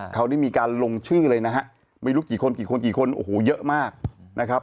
เขาได้มีการลงชื่อเลยนะฮะไม่รู้กี่คนกี่คนกี่คนโอ้โหเยอะมากนะครับ